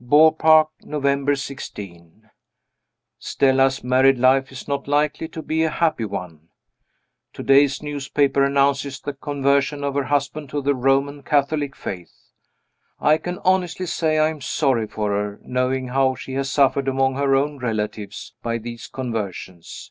Beaupark, November 16. Stella's married life is not likely to be a happy one. To day's newspaper announces the conversion of her husband to the Roman Catholic Faith. I can honestly say I am sorry for her, knowing how she has suffered, among her own relatives, by these conversions.